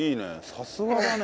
さすがだね。